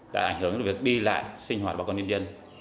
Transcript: đã ảnh hưởng đến việc đi lại sinh hoạt bà con nhân dân